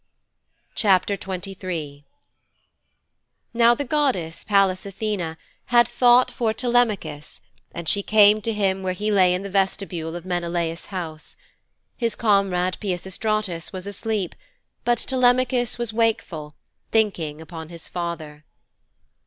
XXIII Now the goddess, Pallas Athene, had thought for Telemachus, and she came to him where he lay in the vestibule of Menelaus' house. His comrade, Peisistratus was asleep, but Telemachus was wakeful, thinking upon his father.